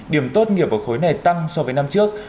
điểm tốt nghiệp ở khối này tăng so với năm trước